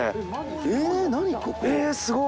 えすごい。